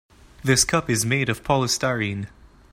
This cup is made of polystyrene.